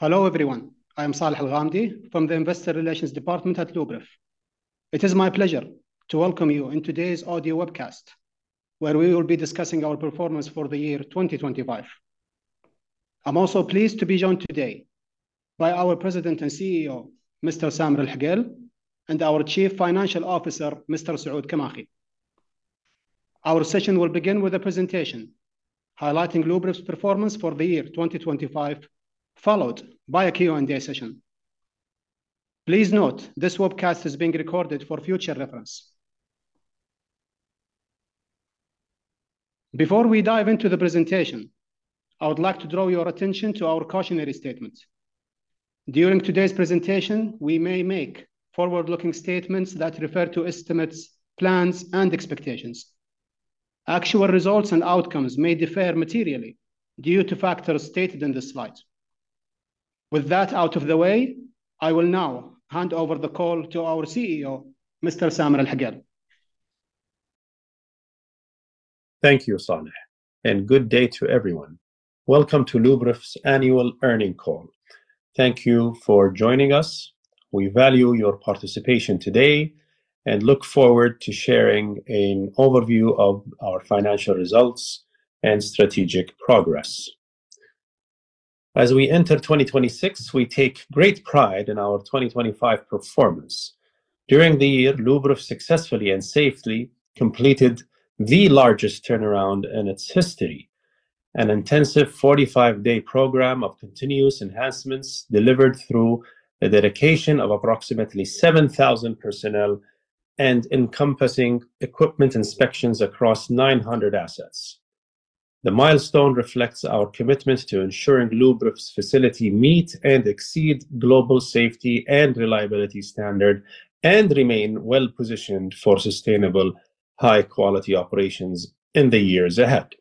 Hello, everyone. I am Saleh Al-Ghamdi from the Investor Relations Department at Luberef. It is my pleasure to welcome you in today's audio webcast, where we will be discussing our performance for the year 2025. I'm also pleased to be joined today by our President and CEO, Mr. Samer Al-Hokail, and our Chief Financial Officer, Mr. Saud Al-Khamis. Our session will begin with a presentation highlighting Luberef's performance for the year 2025, followed by a Q&A session. Please note, this webcast is being recorded for future reference. Before we dive into the presentation, I would like to draw your attention to our cautionary statement. During today's presentation, we may make forward-looking statements that refer to estimates, plans, and expectations. Actual results and outcomes may differ materially due to factors stated in the slides. With that out of the way, I will now hand over the call to our CEO, Mr. Samer Al-Hokail. Thank you, Saleh, and good day to everyone. Welcome to Luberef's annual earnings call. Thank you for joining us. We value your participation today and look forward to sharing an overview of our financial results and strategic progress. As we enter 2026, we take great pride in our 2025 performance. During the year, Luberef successfully and safely completed the largest turnaround in its history, an intensive 45-day program of continuous enhancements delivered through the dedication of approximately 7,000 personnel and encompassing equipment inspections across 900 assets. The milestone reflects our commitment to ensuring Luberef's facilities meet and exceed global safety and reliability standards, and remain well-positioned for sustainable, high-quality operations in the years ahead.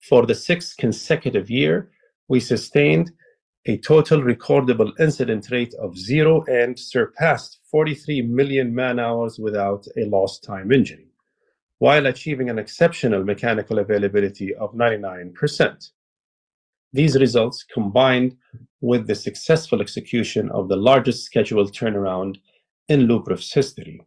For the sixth consecutive year, we sustained a total recordable incident rate of 0 and surpassed 43 million man-hours without a lost time injury, while achieving an exceptional mechanical availability of 99%. These results, combined with the successful execution of the largest scheduled turnaround in Luberef's history,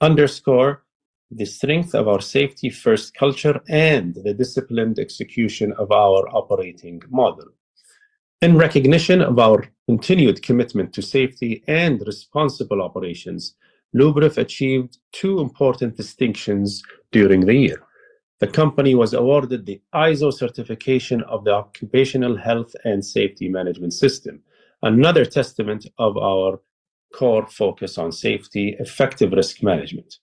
underscore the strength of our safety-first culture and the disciplined execution of our operating model. In recognition of our continued commitment to safety and responsible operations, Luberef achieved two important distinctions during the year. The company was awarded the ISO certification of the Occupational Health and Safety Management System, another testament of our core focus on safety-effective risk management.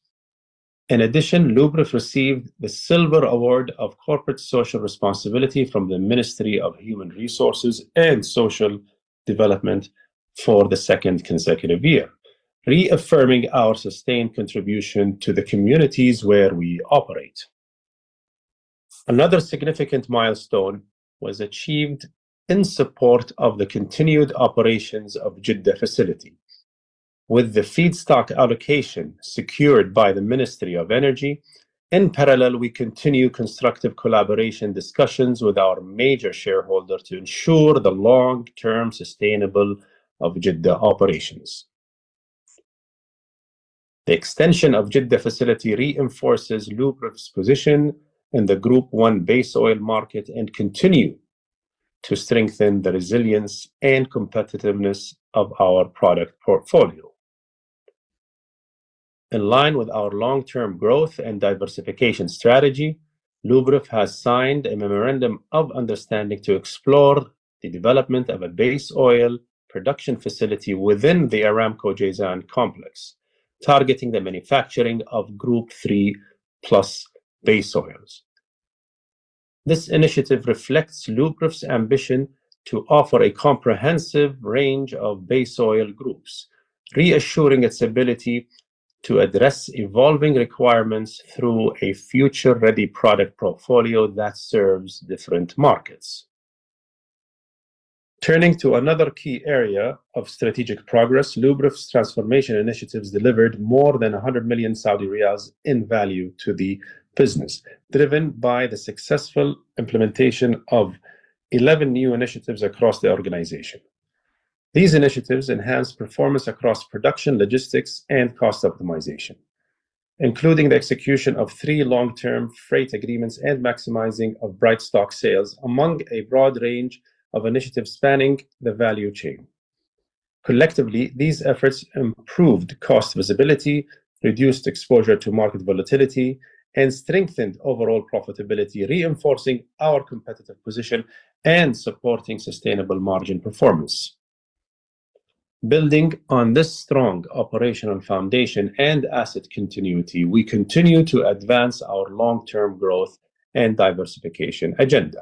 In addition, Luberef received the Silver Award of Corporate Social Responsibility from the Ministry of Human Resources and Social Development for the second consecutive year, reaffirming our sustained contribution to the communities where we operate. Another significant milestone was achieved in support of the continued operations of Jeddah facility. With the feedstock allocation secured by the Ministry of Energy, in parallel, we continue constructive collaboration discussions with our major shareholder to ensure the long-term sustainable of Jeddah operations. The extension of Jeddah facility reinforces Luberef's position in the Group I base oil market and continue to strengthen the resilience and competitiveness of our product portfolio. In line with our long-term growth and diversification strategy, Luberef has signed a memorandum of understanding to explore the development of a base oil production facility within the Aramco Jazan complex, targeting the manufacturing of Group III+ base oils. This initiative reflects Luberef's ambition to offer a comprehensive range of base oil groups, reassuring its ability to address evolving requirements through a future-ready product portfolio that serves different markets. Turning to another key area of strategic progress, Luberef's transformation initiatives delivered more than 100 million Saudi riyals in value to the business, driven by the successful implementation of 11 new initiatives across the organization. These initiatives enhance performance across production, logistics, and cost optimization, including the execution of 3 long-term freight agreements and maximizing of bright stock sales among a broad range of initiatives spanning the value chain. Collectively, these efforts improved cost visibility, reduced exposure to market volatility, and strengthened overall profitability, reinforcing our competitive position and supporting sustainable margin performance. Building on this strong operational foundation and asset continuity, we continue to advance our long-term growth and diversification agenda.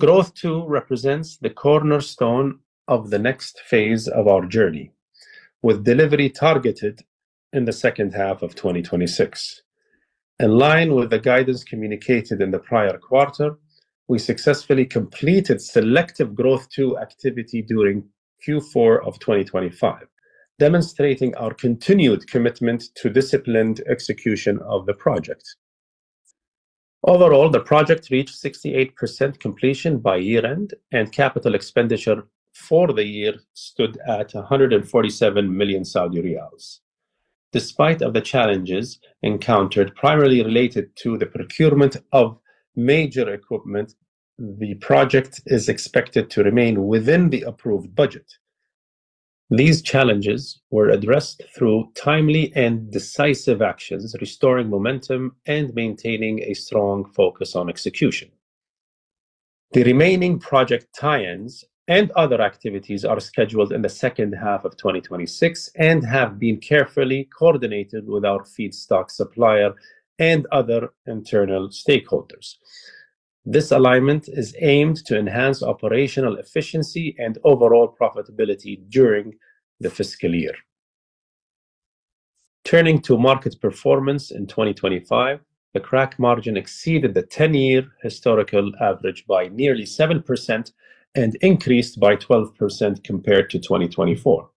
Growth II represents the cornerstone of the next phase of our journey, with delivery targeted in the second half of 2026. In line with the guidance communicated in the prior quarter, we successfully completed selective growth two activity during Q4 of 2025, demonstrating our continued commitment to disciplined execution of the project. Overall, the project reached 68% completion by year-end, and capital expenditure for the year stood at 147 million Saudi riyals. Despite the challenges encountered, primarily related to the procurement of major equipment, the project is expected to remain within the approved budget. These challenges were addressed through timely and decisive actions, restoring momentum and maintaining a strong focus on execution. The remaining project tie-ins and other activities are scheduled in the second half of 2026 and have been carefully coordinated with our feedstock supplier and other internal stakeholders. This alignment is aimed to enhance operational efficiency and overall profitability during the fiscal year. Turning to market performance in 2025, the crack margin exceeded the 10-year historical average by nearly 7% and increased by 12% compared to 2024.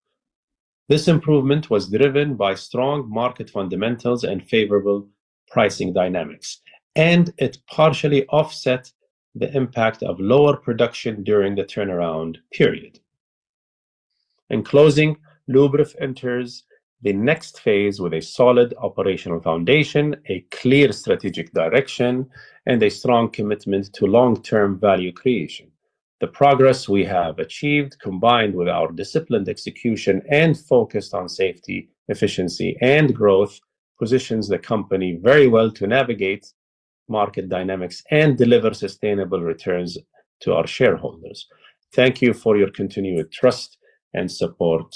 This improvement was driven by strong market fundamentals and favorable pricing dynamics, and it partially offset the impact of lower production during the turnaround period. In closing, Luberef enters the next phase with a solid operational foundation, a clear strategic direction, and a strong commitment to long-term value creation. The progress we have achieved, combined with our disciplined execution and focused on safety, efficiency, and growth, positions the company very well to navigate market dynamics and deliver sustainable returns to our shareholders. Thank you for your continued trust and support.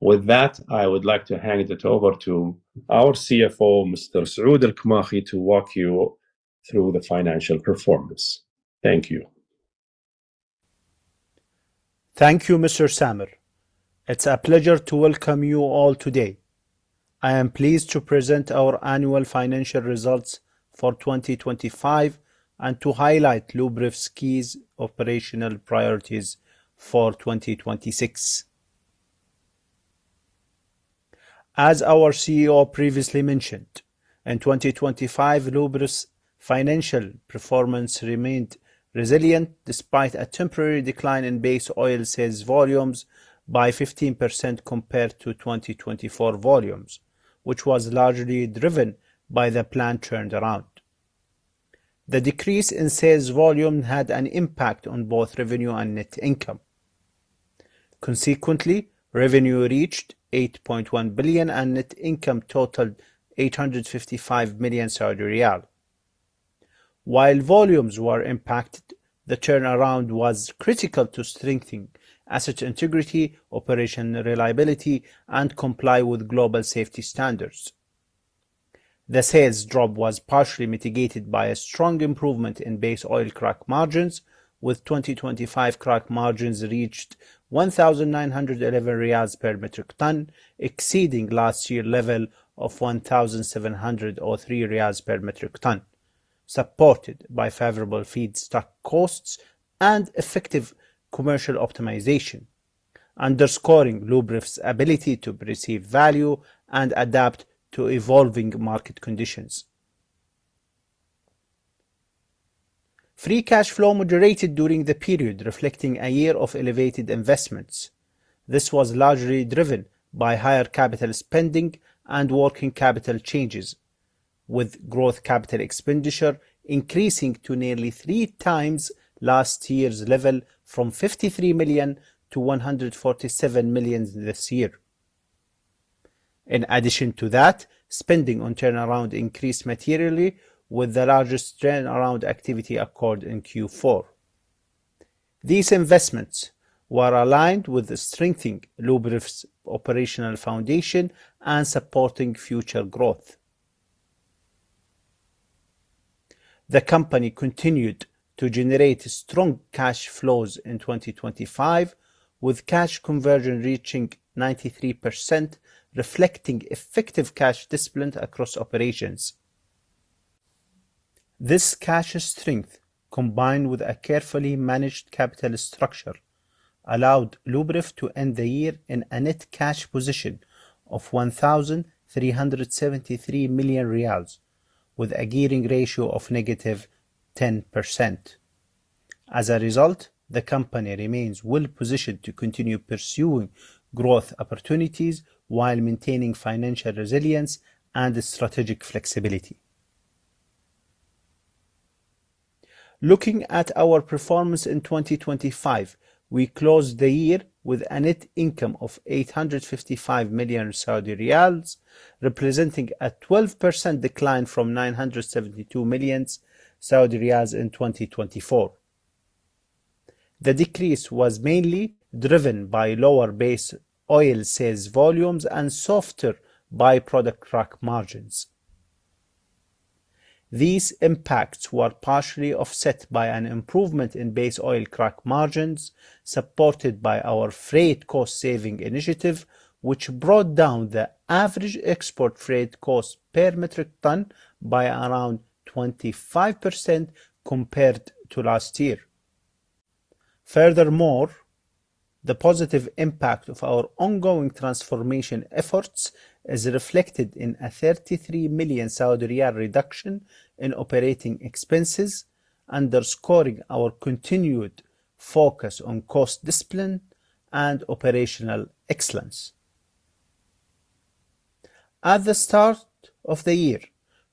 With that, I would like to hand it over to our CFO, Mr. Saud Al-Khamis, to walk you through the financial performance. Thank you. Thank you, Mr. Samer. It's a pleasure to welcome you all today. I am pleased to present our annual financial results for 2025 and to highlight Luberef's key operational priorities for 2026. As our CEO previously mentioned, in 2025, Luberef's financial performance remained resilient despite a temporary decline in base oil sales volumes by 15% compared to 2024 volumes, which was largely driven by the plant turnaround. The decrease in sales volume had an impact on both revenue and net income. Consequently, revenue reached 8.1 billion, and net income totaled 855 million Saudi riyal. While volumes were impacted, the turnaround was critical to strengthening asset integrity, operation reliability, and comply with global safety standards. The sales drop was partially mitigated by a strong improvement in base oil crack margins, with 2025 crack margins reached 1,911 riyals per metric ton, exceeding last year's level of 1,703 riyals per metric ton, supported by favorable feedstock costs and effective commercial optimization, underscoring Luberef's ability to perceive value and adapt to evolving market conditions. Free cash flow moderated during the period, reflecting a year of elevated investments. This was largely driven by higher capital spending and working capital changes, with growth capital expenditure increasing to nearly three times last year's level from 53 million to 147 million this year. In addition to that, spending on turnaround increased materially with the largest turnaround activity occurred in Q4. These investments were aligned with the strengthening Luberef's operational foundation and supporting future growth. The company continued to generate strong cash flows in 2025, with cash conversion reaching 93%, reflecting effective cash discipline across operations. This cash strength, combined with a carefully managed capital structure, allowed Luberef to end the year in a net cash position of 1,373 million riyals, with a gearing ratio of -10%. As a result, the company remains well-positioned to continue pursuing growth opportunities while maintaining financial resilience and strategic flexibility. Looking at our performance in 2025, we closed the year with a net income of 855 million Saudi riyals, representing a 12% decline from 972 million Saudi riyals in 2024. The decrease was mainly driven by lower base oil sales volumes and softer by-product crack margins. These impacts were partially offset by an improvement in base oil crack margins, supported by our freight cost-saving initiative, which brought down the average export freight cost per metric ton by around 25% compared to last year. Furthermore, the positive impact of our ongoing transformation efforts is reflected in a 33 million Saudi riyal reduction in OpEx, underscoring our continued focus on cost discipline and operational excellence. At the start of the year,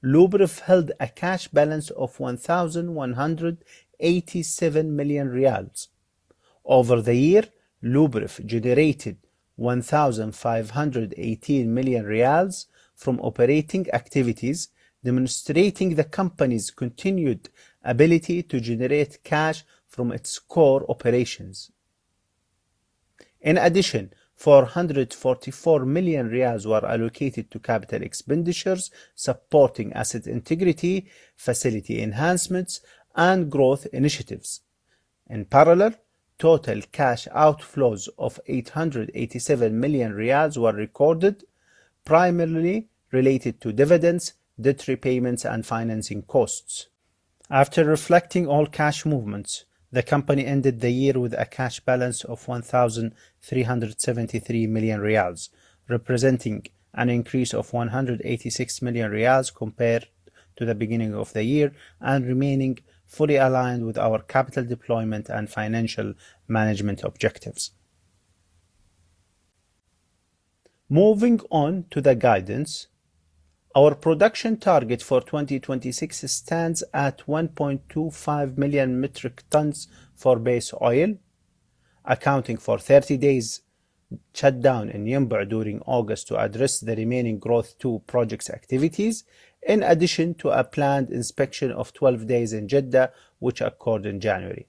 Luberef held a cash balance of 1,187 million riyals. Over the year, Luberef generated 1,518 million riyals from operating activities, demonstrating the company's continued ability to generate cash from its core operations. In addition, 444 million riyals were allocated to CapEx, supporting asset integrity, facility enhancements, and growth initiatives. In parallel, total cash outflows of 887 million riyals were recorded, primarily related to dividends, debt repayments, and financing costs. After reflecting all cash movements, the company ended the year with a cash balance of 1,373 million riyals, representing an increase of 186 million riyals compared to the beginning of the year, and remaining fully aligned with our capital deployment and financial management objectives. Moving on to the guidance, our production target for 2026 stands at 1.25 million metric tons for base oil, accounting for 30 days shutdown in Yanbu during August to address the remaining Growth II project activities, in addition to a planned inspection of 12 days in Jeddah, which occurred in January.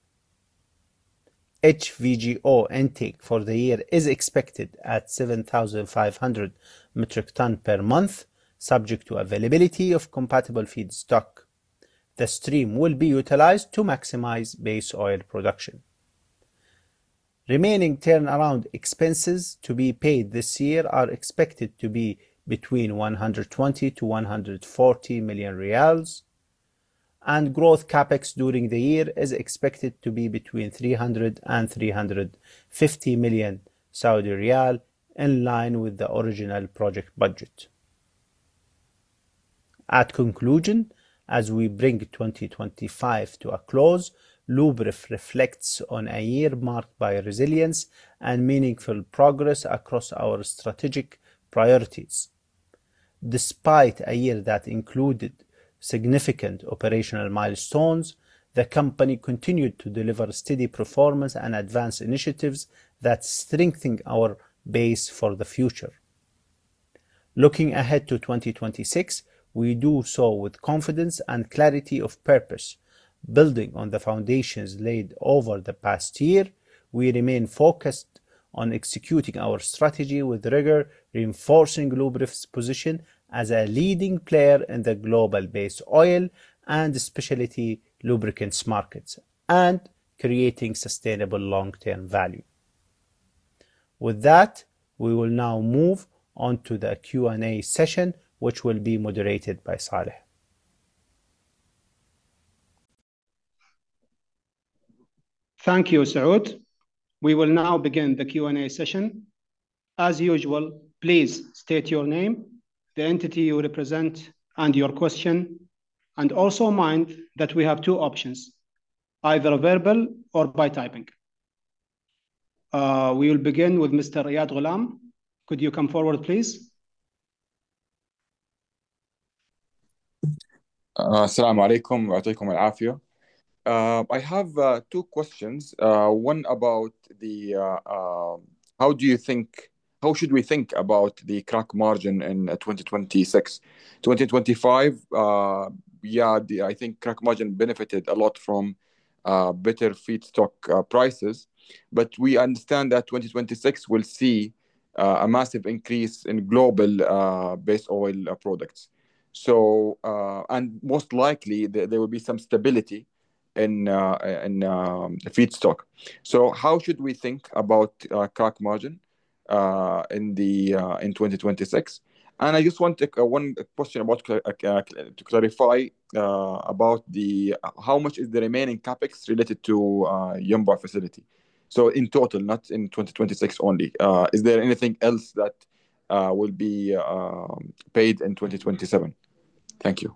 HVGO intake for the year is expected at 7,500 metric tons per month, subject to availability of compatible feedstock. The stream will be utilized to maximize base oil production. Remaining turnaround expenses to be paid this year are expected to be between SAR 120 million-SAR 140 million, and growth CapEx during the year is expected to be between 300 million-350 million Saudi riyal, in line with the original project budget. At conclusion, as we bring 2025 to a close, Luberef reflects on a year marked by resilience and meaningful progress across our strategic priorities. Despite a year that included significant operational milestones, the company continued to deliver steady performance and advance initiatives that strengthen our base for the future. Looking ahead to 2026, we do so with confidence and clarity of purpose. Building on the foundations laid over the past year, we remain focused on executing our strategy with rigor, reinforcing Luberef's position as a leading player in the global base oil and specialty lubricants markets, and creating sustainable long-term value. With that, we will now move on to the Q&A session, which will be moderated by Saleh. Thank you, Saud. We will now begin the Q&A session. As usual, please state your name, the entity you represent, and your question, and also mind that we have two options, either verbal or by typing. We will begin with Mr. Iyad Ghulam. Could you come forward, please? Assalamualaikum warahmatullahi wabarakatuh. I have two questions. One about the... How should we think about the crack margin in 2026? In 2025, yeah, I think the crack margin benefited a lot from better feedstock prices, but we understand that 2026 will see a massive increase in global base oil products. So, and most likely, there will be some stability in feedstock. So how should we think about crack margin in 2026? And I just want to clarify about the how much is the remaining CapEx related to Yanbu facility? So in total, not in 2026 only. Is there anything else that will be paid in 2027? Thank you.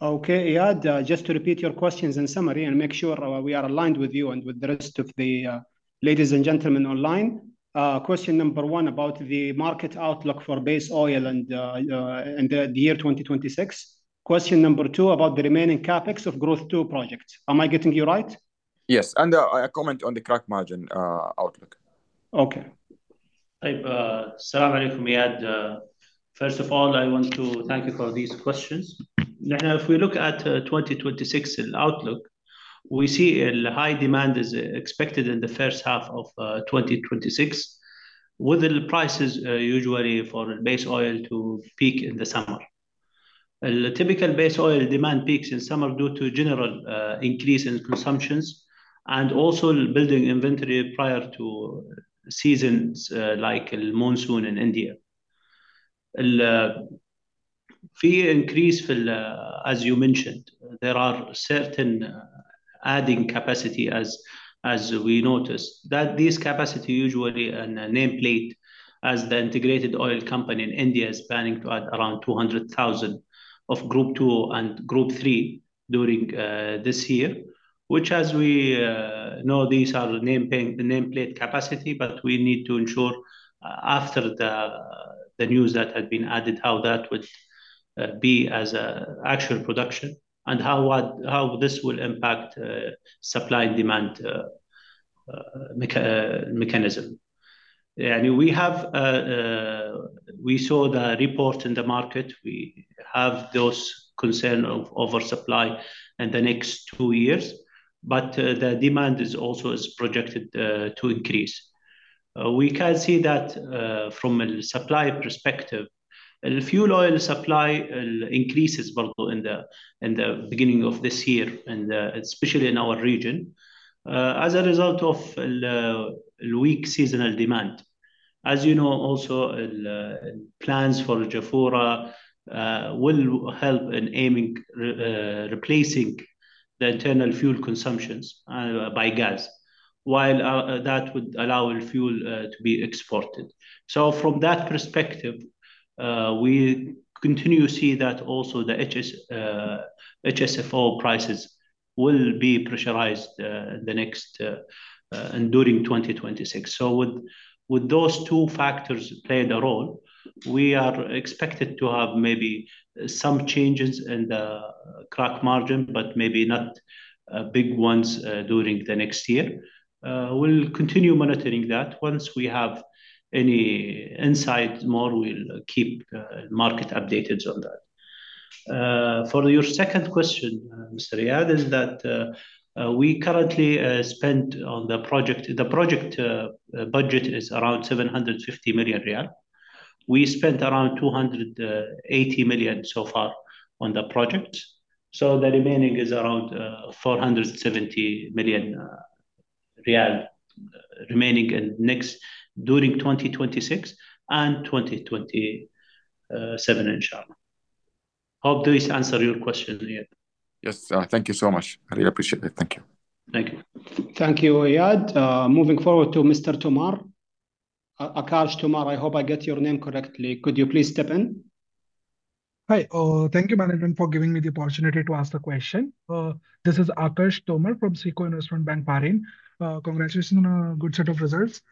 Okay, Iyad, just to repeat your questions in summary and make sure, we are aligned with you and with the rest of the, ladies and gentlemen online. Question number one about the market outlook for base oil and, in the, the year 2026. Question number two about the remaining CapEx of Growth II project. Am I getting you right? Yes, and a comment on the crack margin outlook. Okay. Assalamualaikum, Iyad. First of all, I want to thank you for these questions. Now, if we look at 2026 outlook, we see a high demand is expected in the first half of 2026, with the prices usually for base oil to peak in the summer. A typical base oil demand peaks in summer due to general increase in consumptions and also building inventory prior to seasons like monsoon in India. ... fee increase in the, as you mentioned, there are certain, adding capacity as, as we noticed. That these capacity usually a nameplate as the integrated oil company in India is planning to add around 200,000 of Group II and Group III during this year. Which, as we know, these are the nameplate, the nameplate capacity, but we need to ensure, after the, the news that had been added, how that would be as actual production, and how, what, how this will impact supply and demand mechanism. Yeah, and we have... We saw the report in the market. We have those concern of oversupply in the next two years, but the demand is also is projected to increase. We can see that, from a supply perspective, and if fuel oil supply increases vertically in the beginning of this year, and especially in our region, as a result of weak seasonal demand. As you know, also, plans for Jafurah will help in aiming to replace the internal fuel consumptions by gas, while that would allow the fuel to be exported. So from that perspective, we continue to see that also the HSFO prices will be pressurized the next and during 2026. So with those two factors playing a role, we are expected to have maybe some changes in the crack margin, but maybe not big ones during the next year. We'll continue monitoring that. Once we have any insight more, we'll keep market updated on that. For your second question, Mr. Iyad Yes, thank you so much. I really appreciate it. Thank you. Thank you. Thank you, Riyadh. Moving forward to Mr. Tomar. Akash Tomar, I hope I get your name correctly. Could you please step in? Hi. Thank you, management, for giving me the opportunity to ask the question. This is Akash Tomar from SICO Bank, Bahrain. Congratulations on a good set of results.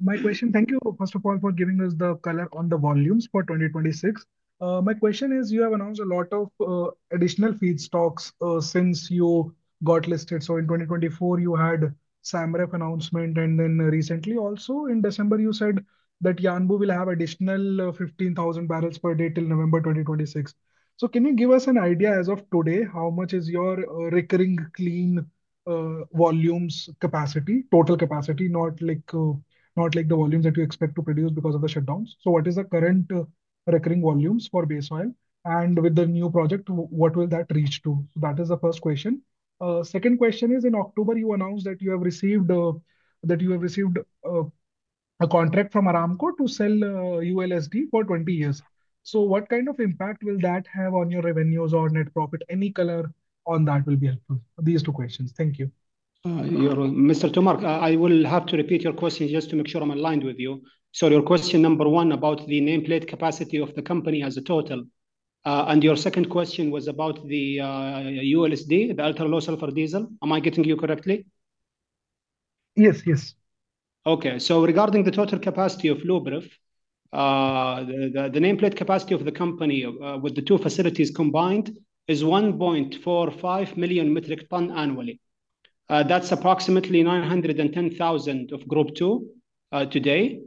My question... Thank you, first of all, for giving us the color on the volumes for 2026. My question is, you have announced a lot of additional feedstocks since you got listed. So in 2024, you had SAMREF announcement, and then recently, also, in December, you said that Yanbu will have additional 15,000 barrels per day till November 2026. So can you give us an idea, as of today, how much is your recurring clean volumes capacity, total capacity? Not like, not like the volumes that you expect to produce because of the shutdowns. So what is the current recurring volumes for base oil, and with the new project, what will that reach to? That is the first question. Second question is, in October, you announced that you have received a contract from Aramco to sell ULSD for 20 years. So what kind of impact will that have on your revenues or net profit? Any color on that will be helpful. These two questions. Thank you. You're... Mr. Tomar, I will have to repeat your question just to make sure I'm aligned with you. So your question number one about the nameplate capacity of the company as a total, and your second question was about the ULSD, the ultra-low sulfur diesel. Am I getting you correctly? Yes. Yes. Okay, so regarding the total capacity of Luberef, the nameplate capacity of the company with the two facilities combined is 1.45 million metric tons annually. That's approximately 910,000 of Group II today,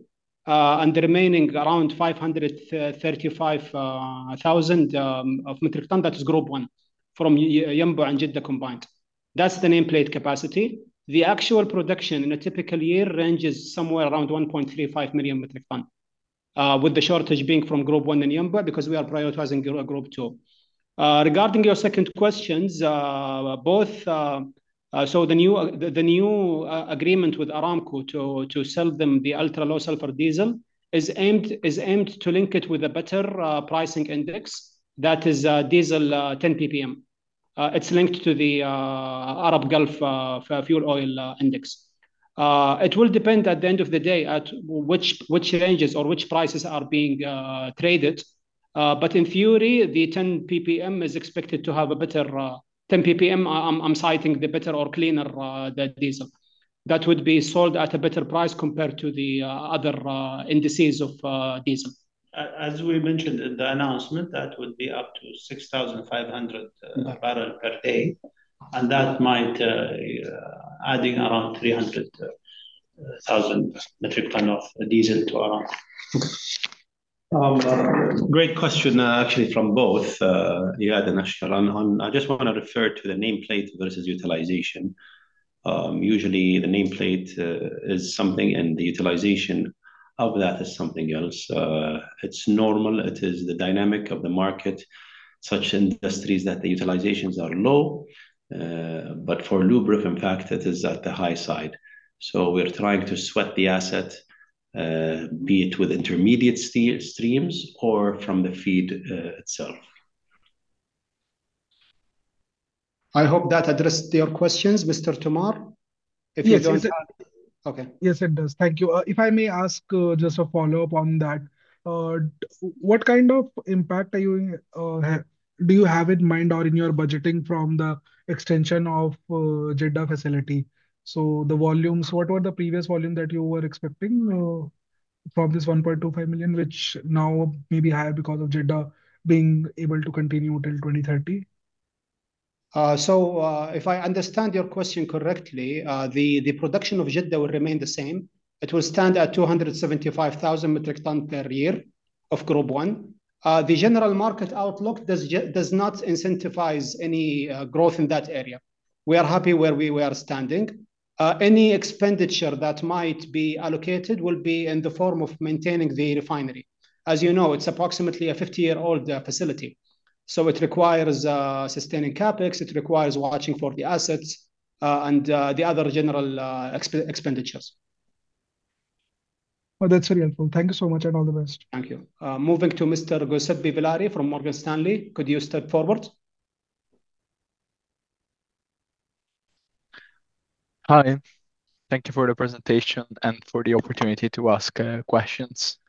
and the remaining around 535,000 of metric tons, that is Group I, from Yanbu and Jeddah combined. That's the nameplate capacity. The actual production in a typical year ranges somewhere around 1.35 million metric tons, with the shortage being from Group I and Yanbu because we are prioritizing Group II. Regarding your second questions, both. So the new agreement with Aramco to sell them the ultra-low sulfur diesel is aimed to link it with a better pricing index. That is diesel 10 ppm. It's linked to the Arab Gulf fuel oil index. It will depend at the end of the day at which ranges or which prices are being traded. But in theory, the 10 ppm is expected to have a better... 10 ppm, I'm citing the better or cleaner diesel that would be sold at a better price compared to the other indices of diesel. As we mentioned in the announcement, that would be up to 6,500 barrel per day, and that might adding around 300,000 metric ton of diesel to Aramco. Great question, actually from both, Riyadh and Akash. I just want to refer to the nameplate versus utilization. Usually, the nameplate is something, and the utilization of that is something else. It's normal. It is the dynamic of the market, such industries that the utilizations are low. But for Luberef, in fact, it is at the high side, so we're trying to sweat the asset, be it with intermediate streams or from the feed itself. I hope that addressed your questions, Mr. Tomar. If you don't have- Yes, it- Okay. Yes, it does. Thank you. If I may ask, just a follow-up on that. What kind of impact do you have in mind or in your budgeting from the extension of Jeddah facility? So the volumes, what were the previous volume that you were expecting from this 1.25 million, which now may be higher because of Jeddah being able to continue till 2030? So, if I understand your question correctly, the production of Jeddah will remain the same. It will stand at 275,000 metric tons per year of Group I. The general market outlook does not incentivize any growth in that area. We are happy where we were standing. Any expenditure that might be allocated will be in the form of maintaining the refinery. As you know, it's approximately a 50-year-old facility, so it requires sustaining CapEx, it requires watching for the assets, and the other general expenditures. Well, that's very helpful. Thank you so much, and all the best. Thank you. Moving to Mr. Giuseppe Billari from Morgan Stanley. Could you step forward? Hi, thank you for the presentation and for the opportunity to ask questions.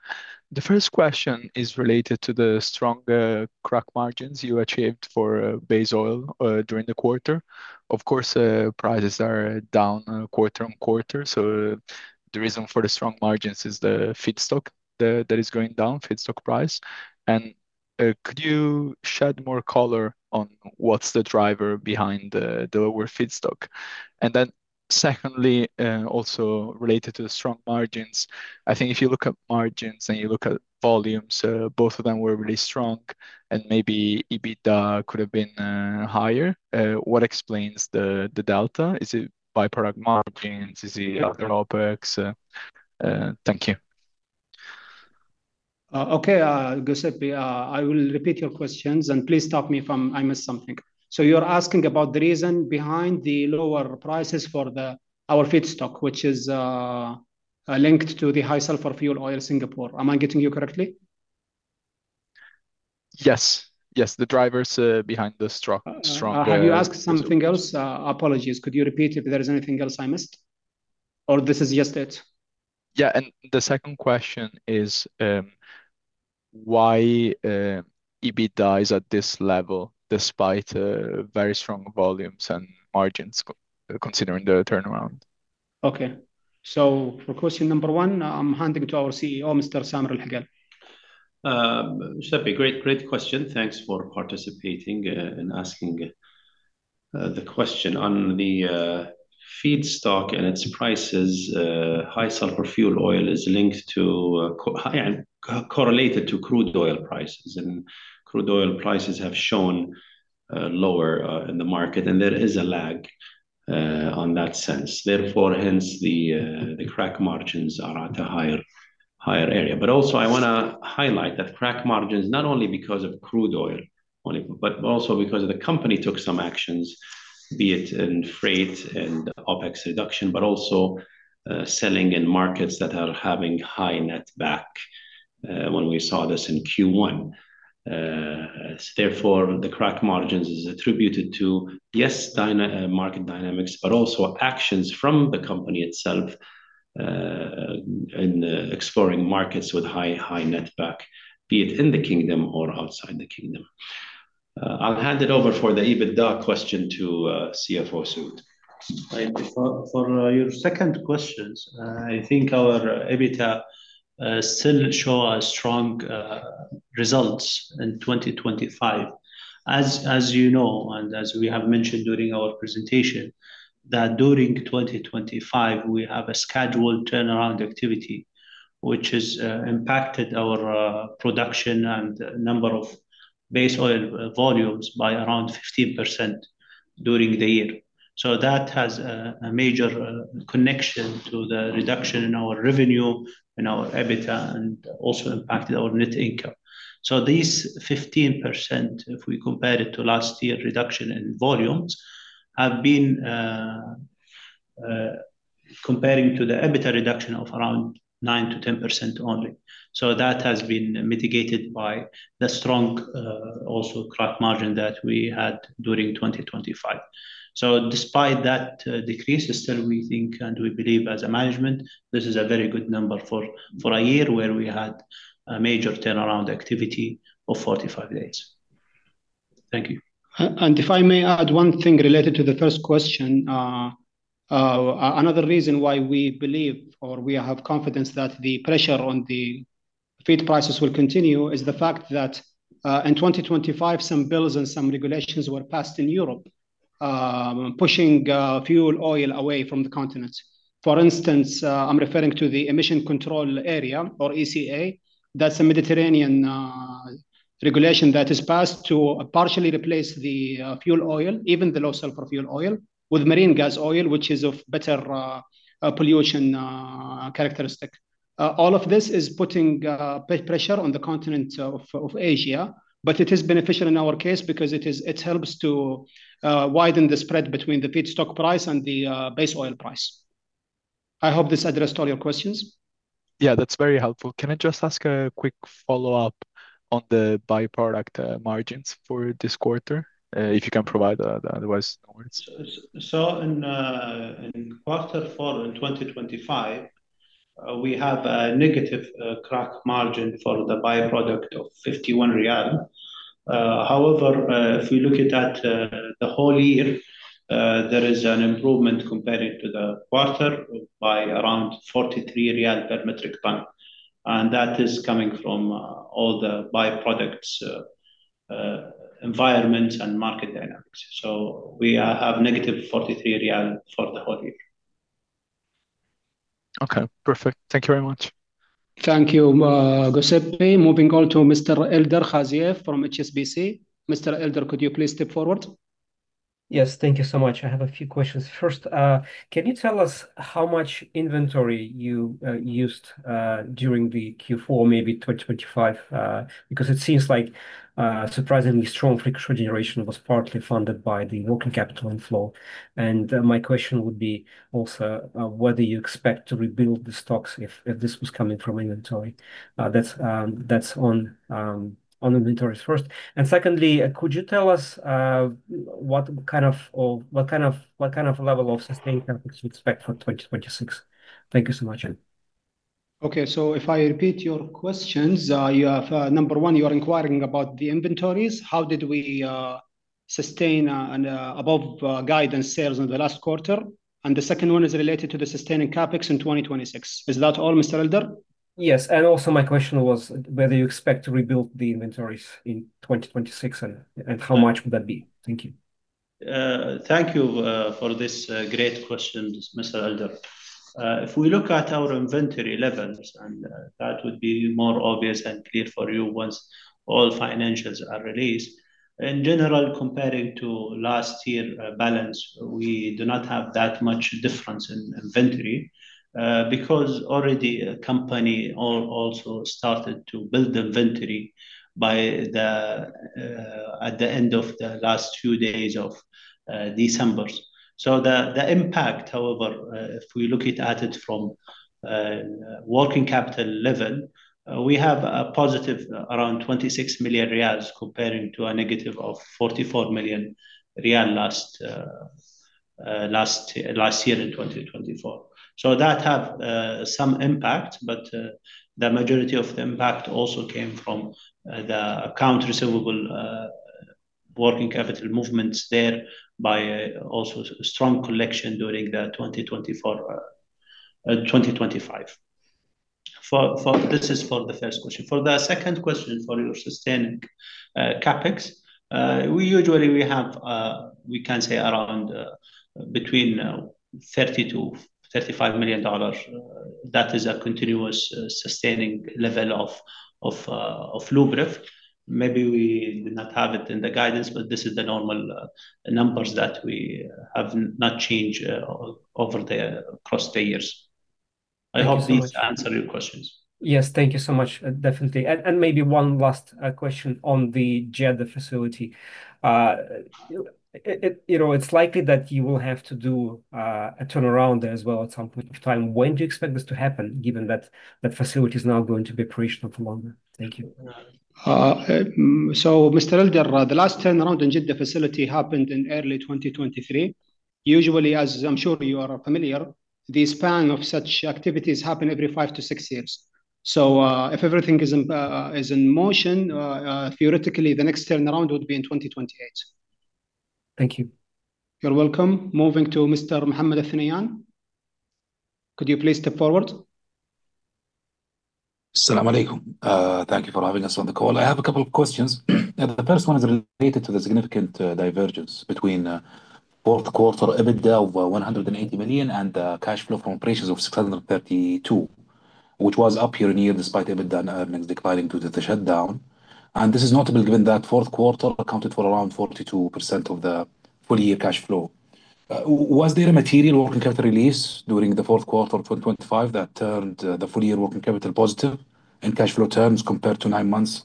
The first question is related to the strong Crack Margin you achieved for Base Oil during the quarter. Of course, prices are down quarter-on-quarter, so the reason for the strong margins is the feedstock that is going down, feedstock price. And could you shed more color on what's the driver behind the lower feedstock? And then secondly, also related to the strong margins, I think if you look at margins and you look at volumes, both of them were really strong, and maybe EBITDA could have been higher. What explains the delta? Is it by-product margins? Is it other OpEx? Thank you. Okay, Giuseppe, I will repeat your questions, and please stop me if I miss something. So you're asking about the reason behind the lower prices for the... our feedstock, which is, linked to the High Sulfur Fuel Oil Singapore. Am I getting you correctly? Yes. Yes, the drivers behind the strong, strong- Have you asked something else? Apologies, could you repeat if there is anything else I missed, or this is just it? Yeah, and the second question is, why EBITDA is at this level despite very strong volumes and margins considering the turnaround? Okay. So for question number one, I'm handing to our CEO, Mr. Samer Al-Hokail. Giuseppe, great, great question. Thanks for participating, and asking, the question. On the feedstock and its prices, high sulfur fuel oil is linked to, correlated to crude oil prices, and crude oil prices have shown lower in the market, and there is a lag on that sense. Therefore, hence, the crack margins are at a higher, higher area. But also, I wanna highlight that crack margins, not only because of crude oil only, but also because of the company took some actions, be it in freight and OpEx reduction, but also, selling in markets that are having high netback, when we saw this in Q1. Therefore, the crack margins is attributed to, yes, dynamic market dynamics, but also actions from the company itself, in exploring markets with high, high netback, be it in the kingdom or outside the kingdom. I'll hand it over for the EBITDA question to CFO Saud. Thank you. For your second questions, I think our EBITDA still show a strong results in 2025. As you know, and as we have mentioned during our presentation, that during 2025, we have a scheduled turnaround activity, which has impacted our production and number of base oil volumes by around 15% during the year. So that has a major connection to the reduction in our revenue and our EBITDA, and also impacted our net income. So these 15%, if we compare it to last year, reduction in volumes, have been comparing to the EBITDA reduction of around 9%-10% only. So that has been mitigated by the strong also crack margin that we had during 2025. So despite that, decrease, still we think and we believe as a management, this is a very good number for, for a year where we had a major turnaround activity of 45 days. Thank you. And if I may add one thing related to the first question. Another reason why we believe or we have confidence that the pressure on the feed prices will continue is the fact that, in 2025, some bills and some regulations were passed in Europe, pushing, fuel oil away from the continent. For instance, I'm referring to the Emission Control Area or ECA. That's a Mediterranean, regulation that is passed to partially replace the, fuel oil, even the low sulfur fuel oil, with marine gas oil, which is of better, pollution, characteristic. All of this is putting pressure on the continent of Asia, but it is beneficial in our case because it is, it helps to widen the spread between the feedstock price and the base oil price. I hope this addressed all your questions. Yeah, that's very helpful. Can I just ask a quick follow-up on the by-product margins for this quarter? If you can provide that, otherwise, no worries. So in quarter four in 2025, we have a negative crack margin for the by-product of SAR 51. However, if you look at that, the whole year, there is an improvement compared to the quarter by around SAR 43 per metric ton. And that is coming from all the by-products, environment and market dynamics. So we have negative SAR 43 for the whole year. Okay, perfect. Thank you very much. Thank you, Giuseppe. Moving on to Mr. Ildar Khaziev from HSBC. Mr. Ildar, could you please step forward? Yes. Thank you so much. I have a few questions. First, can you tell us how much inventory you used during the Q4, maybe 2025? Because it seems like surprisingly strong free cash generation was partly funded by the working capital inflow. And my question would be also whether you expect to rebuild the stocks if this was coming from inventory. That's on inventories first. And secondly, could you tell us what kind of level of sustained CapEx you expect for 2026? Thank you so much again. Okay. So if I repeat your questions, you have, number one, you are inquiring about the inventories. How did we sustain and above guidance sales in the last quarter? And the second one is related to the sustaining CapEx in 2026. Is that all, Mr. Ildar? Yes, and also my question was whether you expect to rebuild the inventories in 2026, and how much would that be? Thank you. Thank you for this great questions, Mr. Ildar. If we look at our inventory levels, and that would be more obvious and clear for you once all financials are released. In general, comparing to last year balance, we do not have that much difference in inventory, because already the company also started to build inventory by the end of the last few days of December. So the impact, however, if we look at it from working capital level, we have a positive around 26 million riyals comparing to a negative of 44 million riyal last year in 2024. So that have some impact, but the majority of the impact also came from the account receivable working capital movements there by also strong collection during the 2024, 2025. For... This is for the first question. For the second question, for your sustaining CapEx, we usually we have, we can say around between $30-$35 million. That is a continuous sustaining level of Luberef. Maybe we do not have it in the guidance, but this is the normal numbers that we have not changed across the years. Thank you so much. I hope these answer your questions. Yes. Thank you so much. Definitely. And maybe one last question on the Jeddah facility. You know, it's likely that you will have to do a turnaround there as well at some point in time. When do you expect this to happen, given that that facility is now going to be operational for longer? Thank you. So Mr. Ildar, the last turnaround in Jeddah facility happened in early 2023. Usually, as I'm sure you are familiar, the span of such activities happen every 5-6 years. If everything is in motion, theoretically, the next turnaround would be in 2028. Thank you. You're welcome. Moving to Mr. Mohammed Al-Thunayan. Could you please step forward? Assala malikum. Thank you for having us on the call. I have a couple of questions. The first one is related to the significant divergence between fourth quarter EBITDA of 180 million, and cash flow from operations of 632 million, which was up year-on-year, despite EBITDA and earnings declining due to the shutdown. This is notable, given that fourth quarter accounted for around 42% of the full-year cash flow. Was there a material working capital release during the fourth quarter of 2025 that turned the full-year working capital positive in cash flow terms compared to nine months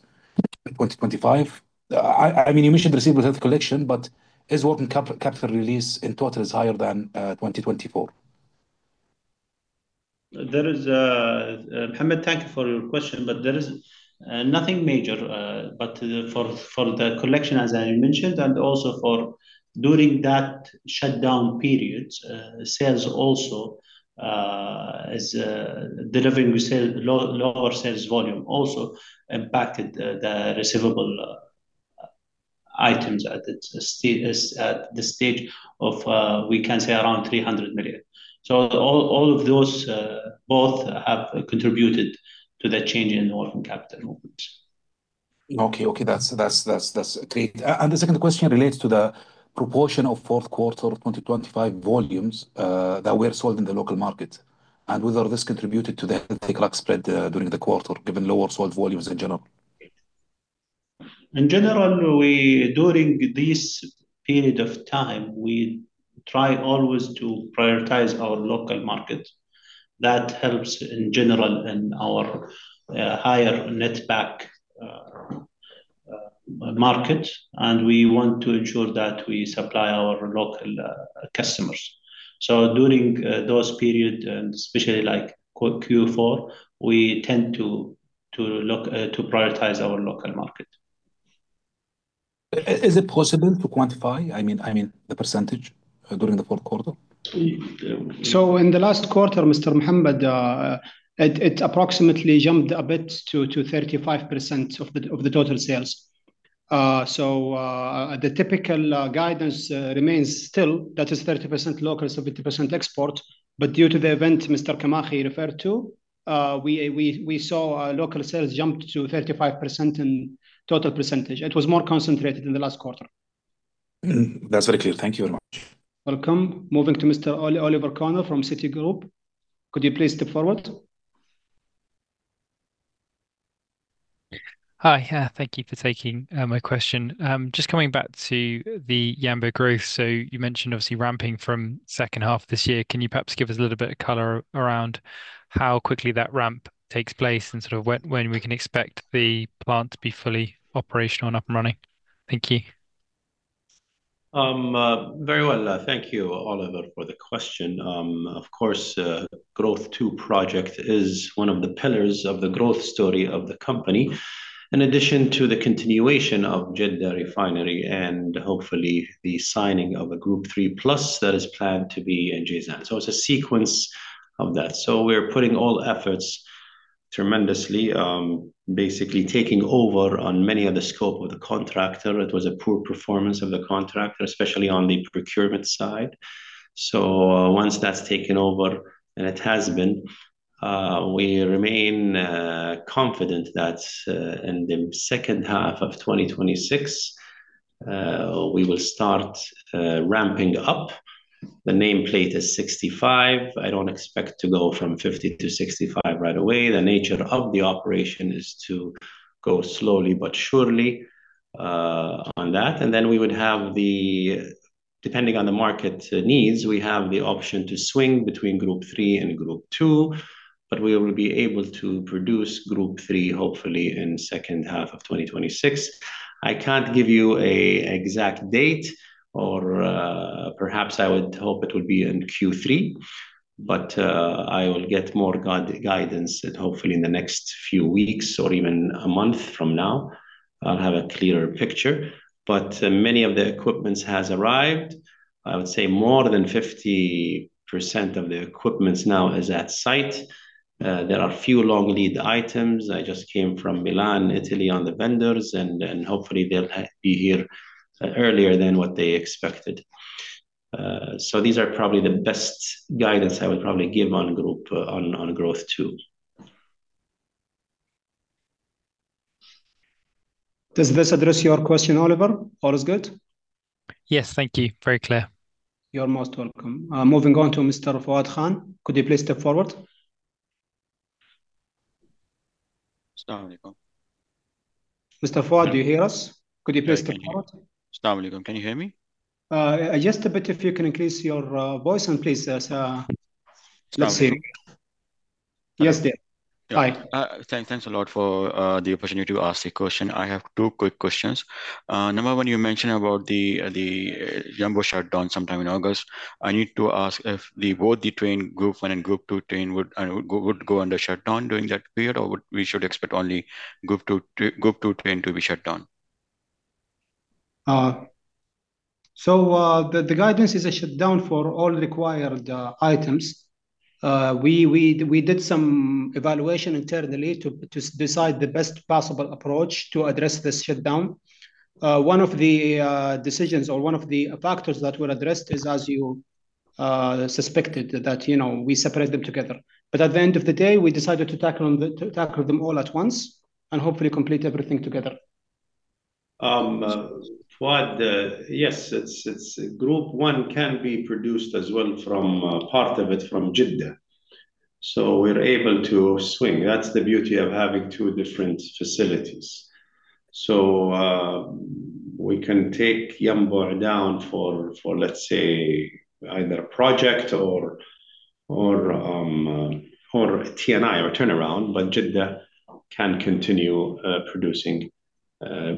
in 2025? I mean, you mentioned receivables collection, but is working capital release in total higher than 2024? There is, Mohammed, thank you for your question, but there is nothing major, but for the collection, as I mentioned, and also during that shutdown periods, sales also is delivering. We sell lower sales volume also impacted the receivable items at the stage of, we can say, around 300 million. So all of those both have contributed to the change in working capital movements. Okay, that's great. The second question relates to the proportion of fourth quarter of 2025 volumes that were sold in the local market, and whether this contributed to the crack spread during the quarter, given lower sold volumes in general?... In general, we, during this period of time, we try always to prioritize our local market. That helps in general in our higher netback market, and we want to ensure that we supply our local customers. So during those period, and especially like Q4, we tend to look to prioritize our local market. Is it possible to quantify? I mean, I mean, the percentage during the fourth quarter? We, uh- So in the last quarter, Mr. Mohammed, it approximately jumped a bit to 35% of the total sales. So, the typical guidance remains still, that is 30% local, 70% export. But due to the event Mr. Al-Khamis referred to, we saw our local sales jump to 35% in total percentage. It was more concentrated in the last quarter. Mm, that's very clear. Thank you very much. Welcome. Moving to Mr. Oliver Connor from Citigroup. Could you please step forward? Hi. Thank you for taking my question. Just coming back to the Yanbu growth. So you mentioned obviously ramping from second half of this year. Can you perhaps give us a little bit of color around how quickly that ramp takes place, and sort of when, when we can expect the plant to be fully operational and up and running? Thank you. Very well. Thank you, Oliver, for the question. Of course, Growth II project is one of the pillars of the growth story of the company, in addition to the continuation of Jeddah Refinery, and hopefully the signing of a Group III+ that is planned to be in Jazan. So it's a sequence of that. So we're putting all efforts tremendously, basically taking over on many of the scope of the contractor. It was a poor performance of the contractor, especially on the procurement side. So, once that's taken over, and it has been, we remain confident that, in the second half of 2026, we will start ramping up. The nameplate is 65. I don't expect to go from 50 to 65 right away. The nature of the operation is to go slowly but surely on that. And then we would have the Depending on the market needs, we have the option to swing between Group III and Group II, but we will be able to produce Group III, hopefully in second half of 2026. I can't give you a exact date or perhaps I would hope it would be in Q3, but I will get more guidance, and hopefully in the next few weeks or even a month from now, I'll have a clearer picture. But many of the equipments has arrived. I would say more than 50% of the equipments now is at site. There are few long lead items. I just came from Milan, Italy, on the vendors, and hopefully they'll be here earlier than what they expected. So these are probably the best guidance I would probably give on Growth II. Does this address your question, Oliver? All is good? Yes. Thank you. Very clear. You're most welcome. Moving on to Mr. Fouad Khan. Could you please step forward? Asalam alaikum. Mr. Fouad, do you hear us? Could you please step forward? Yes, can you... Assalamu alaikum, can you hear me? Just a bit, if you can increase your voice, and please, let's see. Asalam alaikum. Yes, there. Hi. Thanks a lot for the opportunity to ask a question. I have two quick questions. Number one, you mentioned about the Yanbu shutdown sometime in August. I need to ask if both the train, Group I and Group II train, would go under shutdown during that period, or would we should expect only Group II - Group II train to be shut down? So, the guidance is a shutdown for all required items. We did some evaluation internally to decide the best possible approach to address this shutdown. One of the decisions or one of the factors that were addressed is, as you suspected, you know, we separate them together. But at the end of the day, we decided to tackle them all at once and hopefully complete everything together. Fouad, yes, it's Group I can be produced as well from part of it from Jeddah, so we're able to swing. That's the beauty of having two different facilities. So, we can take Yanbu down for, let's say, either a project or a T&I, or turnaround, but Jeddah can continue producing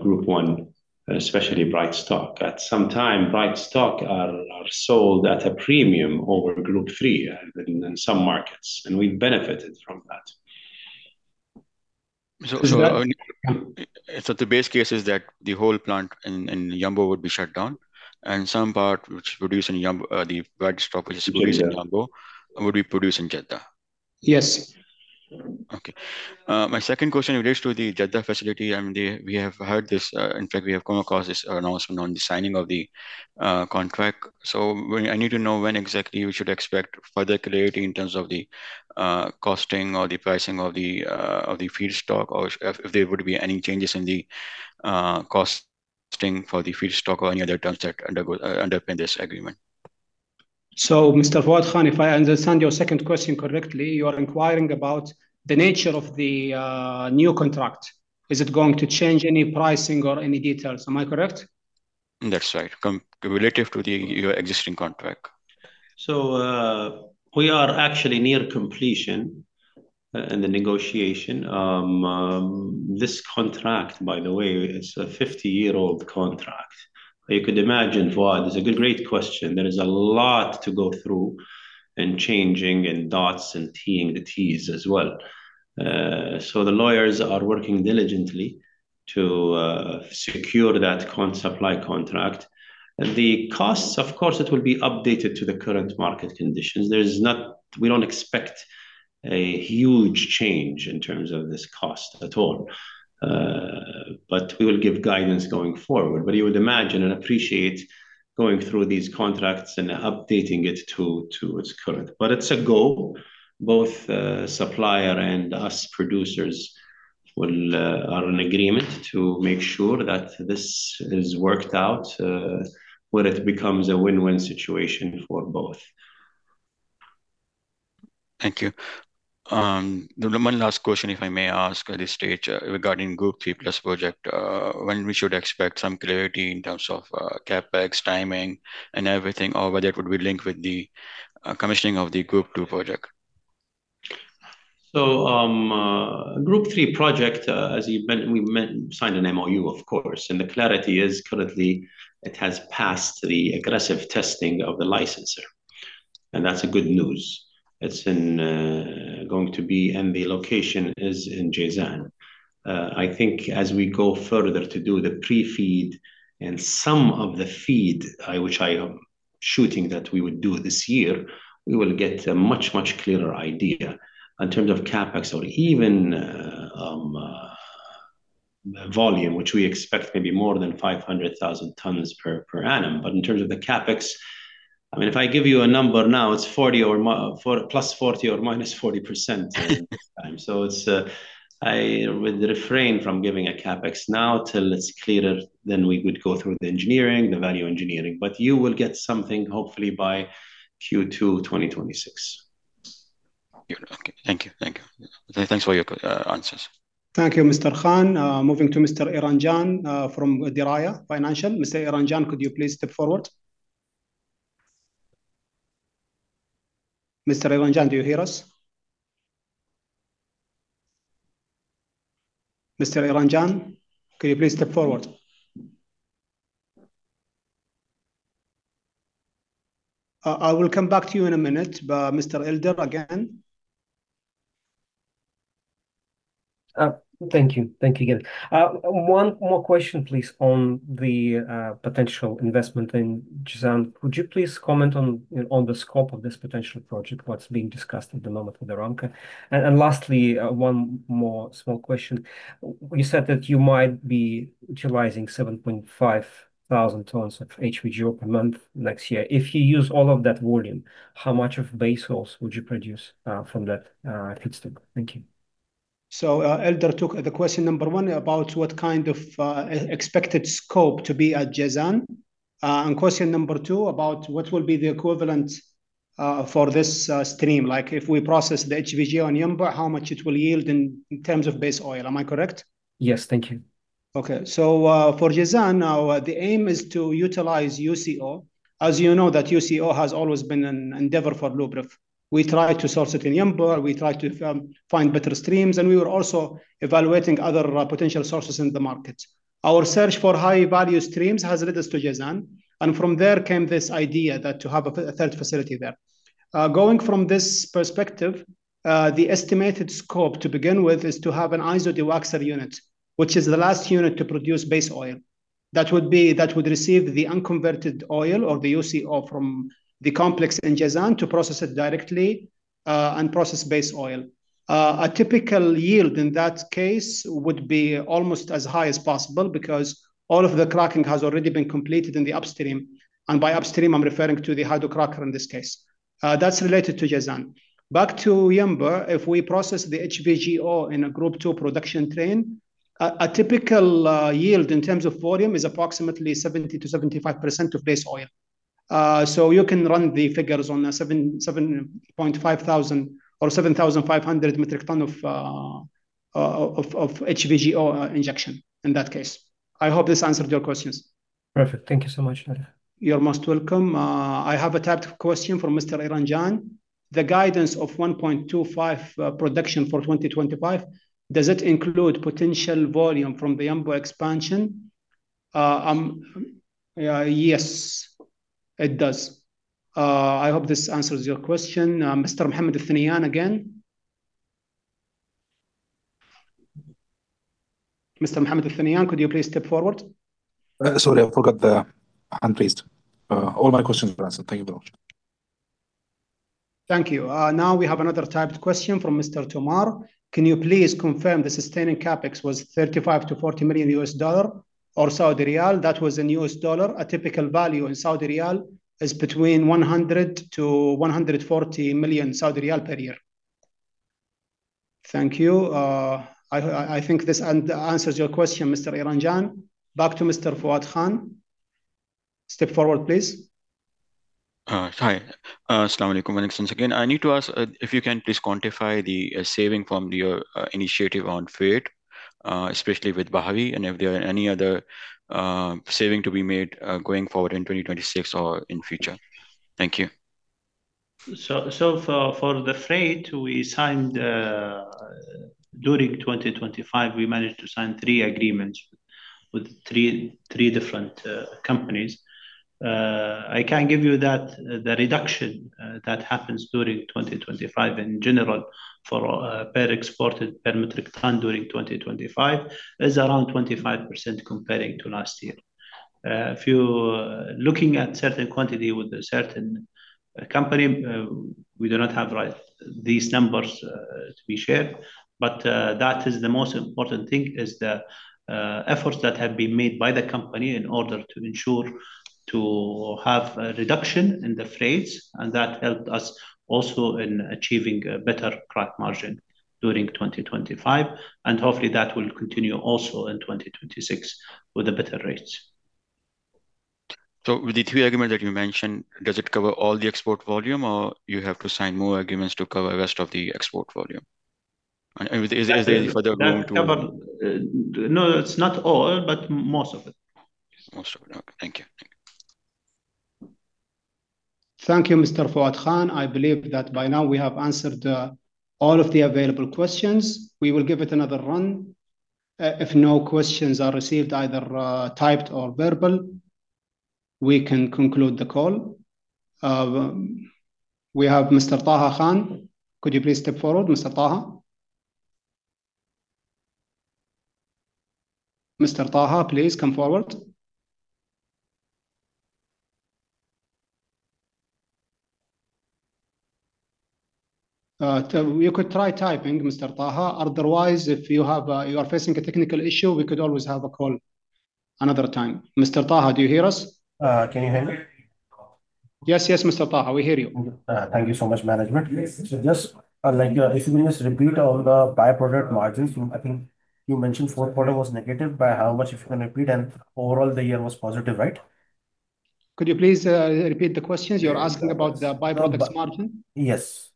Group I, especially Bright Stock. At some time, Bright Stock are sold at a premium over Group Three in some markets, and we've benefited from that. So, so- So the base case is that the whole plant in Yanbu would be shut down, and some part which produce in Yanbu, the bright stock which is- Yeah... produced in Yanbu would be produced in Jeddah? Yes. Okay. My second question relates to the Jeddah facility. I mean, we have heard this, in fact, we have come across this announcement on the signing of the contract. So I need to know when exactly we should expect further clarity in terms of the costing or the pricing of the feedstock, or if there would be any changes in the costing for the feedstock or any other terms that undergo underpin this agreement?... So, Mr. Fouad Khan, if I understand your second question correctly, you are inquiring about the nature of the new contract. Is it going to change any pricing or any details? Am I correct? That's right. Relative to the your existing contract. So, we are actually near completion in the negotiation. This contract, by the way, is a 50-year-old contract. You could imagine, Fouad, it's a great question. There is a lot to go through in dotting the i's and crossing the t's as well. So the lawyers are working diligently to secure that supply contract. The costs, of course, it will be updated to the current market conditions. There's not... We don't expect a huge change in terms of this cost at all. But we will give guidance going forward. But you would imagine and appreciate going through these contracts and updating it to its current. But it's a goal. Both supplier and us producers are in agreement to make sure that this is worked out where it becomes a win-win situation for both. Thank you. The one last question, if I may ask at this stage, regarding Group III+ project. When we should expect some clarity in terms of, CapEx, timing, and everything, or whether it would be linked with the, commissioning of the Group II project? So, Group III project, as we mentioned, we signed an MOU, of course, and the catalyst is currently it has passed the aggressive testing of the licensor, and that's good news. It's going to be. And the location is in Jazan. I think as we go further to do the pre-FEED and some of the FEED, which I am shooting that we would do this year, we will get a much, much clearer idea in terms of CapEx or even volume, which we expect maybe more than 500,000 tons per annum. But in terms of the CapEx, I mean, if I give you a number now, it's 40, plus or minus 40% this time. So it's. I would refrain from giving a CapEx now till it's clearer, then we would go through the engineering, the value engineering. But you will get something hopefully by Q2, 2026. Yeah, okay. Thank you. Thank you. Thanks for your answers. Thank you, Mr. Khan. Moving to Mr. Niranjan Bhutra from Derayah Financial. Mr. Niranjan Bhutra, could you please step forward? Mr. Niranjan Bhutra, do you hear us? Mr. Niranjan Bhutra, could you please step forward? I will come back to you in a minute, but Mr. Ildar again. Thank you. Thank you again. One more question, please, on the potential investment in Jazan. Could you please comment on the scope of this potential project, what's being discussed at the moment with Aramco? And lastly, one more small question. You said that you might be utilizing 7,500 tons of HVGO per month next year. If you use all of that volume, how much of base oils would you produce from that feedstock? Thank you. Ildar took the question number 1 about what kind of expected scope to be at Jazan. And question number 2, about what will be the equivalent for this stream. Like, if we process the HVGO on Yanbu, how much it will yield in terms of base oil. Am I correct? Yes. Thank you. Okay. So, for Jazan, our aim is to utilize UCO. As you know, that UCO has always been an endeavor for Luberef. We try to source it in Yanbu, we try to find better streams, and we were also evaluating other potential sources in the market. Our search for high-value streams has led us to Jazan, and from there came this idea to have a third facility there. Going from this perspective, the estimated scope to begin with is to have an IsoDewaxer unit, which is the last unit to produce base oil. That would receive the unconverted oil or the UCO from the complex in Jazan to process it directly, and process base oil. A typical yield in that case would be almost as high as possible, because all of the cracking has already been completed in the upstream. And by upstream, I'm referring to the hydrocracker in this case. That's related to Jazan. Back to Yanbu, if we process the HVGO in a Group II production train, a typical yield in terms of volume is approximately 70%-75% of base oil. So you can run the figures on the 7.5 thousand or 7,500 metric ton of HVGO injection in that case. I hope this answered your questions. Perfect. Thank you so much. You're most welcome. I have a typed question from Mr. Niranjan Bhutra: The guidance of 1.25 production for 2025, does it include potential volume from the Yanbu expansion? Yes, it does. I hope this answers your question. Mr. Mohammed Al-Thunayan again. Mr. Mohammed Al-Thunayan, could you please step forward? Sorry, I forgot the hand raised. All my questions were answered. Thank you very much. Thank you. Now we have another typed question from Mr. Tomar. Can you please confirm the sustaining CapEx was $35 million-$40 million or SAR? That was in US dollar. A typical value in Saudi riyal is between 100 million-140 million Saudi riyal per year... Thank you. I think this answers your question, Mr. Niranjan. Back to Mr. Fouad Khan. Step forward, please. Hi. Salaam alaikum once again. I need to ask if you can please quantify the saving from your initiative on freight, especially with Bahri, and if there are any other saving to be made going forward in 2026 or in future? Thank you. So for the freight we signed during 2025, we managed to sign three agreements with three different companies. I can give you that, the reduction that happens during 2025 in general for per exported metric ton during 2025 is around 25% comparing to last year. If you are looking at certain quantity with a certain company, we do not have right these numbers to be shared. But that is the most important thing, is the efforts that have been made by the company in order to ensure to have a reduction in the freights. And that helped us also in achieving a better Crack Margin during 2025, and hopefully that will continue also in 2026 with the better rates. So with the three agreement that you mentioned, does it cover all the export volume or you have to sign more agreements to cover the rest of the export volume? And is there any further going to- No, it's not all, but most of it. Most of it. Okay. Thank you. Thank you, Mr. Fouad Khan. I believe that by now we have answered all of the available questions. We will give it another run. If no questions are received, either typed or verbal, we can conclude the call. We have Mr. Taha Khan. Could you please step forward, Mr. Taha? Mr. Taha, please come forward. You could try typing, Mr. Taha. Otherwise, if you are facing a technical issue, we could always have a call another time. Mr. Taha, do you hear us? Can you hear me? Yes, yes, Mr. Taha, we hear you. Thank you so much, management. So just, like if you can just repeat all the by-product margins. I think you mentioned fourth quarter was negative. By how much, if you can repeat? And overall, the year was positive, right? Could you please repeat the question? You're asking about the by-products margin? Yes.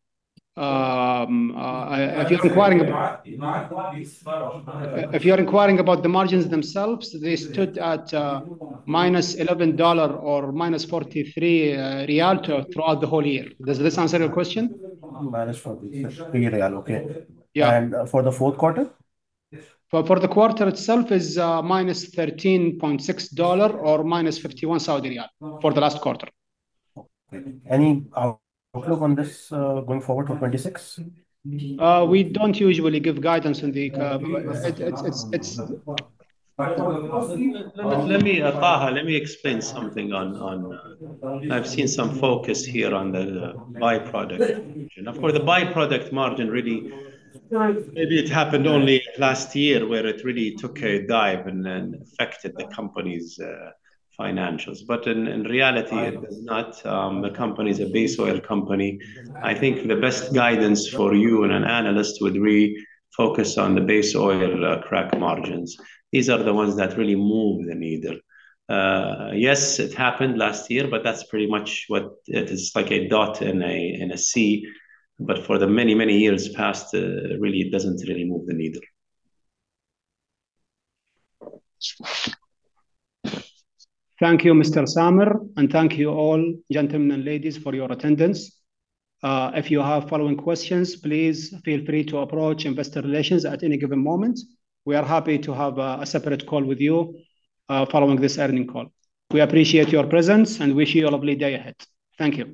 If you're inquiring about the margins themselves, they stood at -$11 or -43 SAR throughout the whole year. Does this answer your question? -43 SAR. Okay. Yeah. For the fourth quarter? For the quarter itself is -$13.6 or -51 Saudi riyal for the last quarter. Any outlook on this going forward for 2026? We don't usually give guidance on the... It's Let me, Taha, let me explain something on... I've seen some focus here on the by-product. For the by-product margin really, maybe it happened only last year, where it really took a dive and then affected the company's financials. But in reality, it is not, the company is a base oil company. I think the best guidance for you and an analyst would really focus on the base oil crack margins. These are the ones that really move the needle. Yes, it happened last year, but that's pretty much what... It is like a dot in a sea. But for the many, many years past, really, it doesn't really move the needle. Thank you, Mr. Samer, and thank you all, gentlemen and ladies, for your attendance. If you have following questions, please feel free to approach investor relations at any given moment. We are happy to have a separate call with you, following this earnings call. We appreciate your presence and wish you a lovely day ahead. Thank you.